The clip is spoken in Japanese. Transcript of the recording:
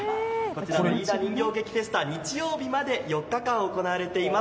いいだ人形劇フェスタ日曜日まで４日間行われています。